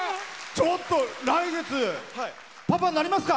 ちょっと、来月パパになりますか。